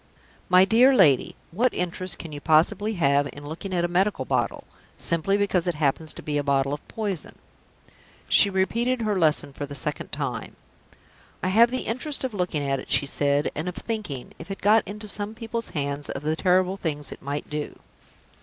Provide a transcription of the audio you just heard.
My dear lady, what interest can you possibly have in looking at a medical bottle, simply because it happens to be a bottle of poison?" She repeated her lesson for the second time. "I have the interest of looking at it," she said, "and of thinking, if it got into some people's hands, of the terrible things it might do."